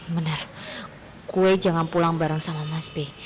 bener gue jangan pulang bareng sama mas be